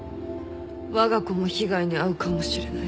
わが子も被害に遭うかもしれない。